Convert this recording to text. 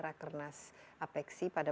raker nas apeksi pada